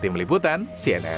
tim liputan cnn indonesia